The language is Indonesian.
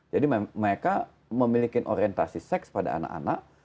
jadi mereka memiliki orientasi seks pada anak anak